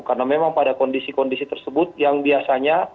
karena memang pada kondisi kondisi tersebut yang biasanya